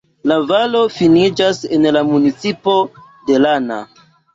La valo finiĝas en la "municipo" de Lana.